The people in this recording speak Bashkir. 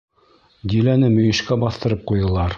Диләне мөйөшкә баҫтырып ҡуйҙылар.